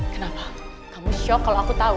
kenapa kamu shock kalau aku tahu